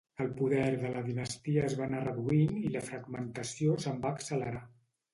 El poder de la dinastia es va anar reduint i la fragmentació se'n va accelerar.